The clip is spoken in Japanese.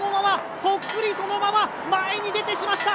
そっくりそのまま、前に出てしまった！